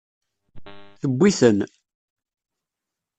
Tewwi-ten.